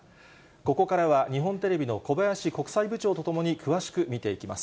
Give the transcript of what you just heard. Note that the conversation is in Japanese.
ここからは、日本テレビの小林国際部長と共に詳しく見ていきます。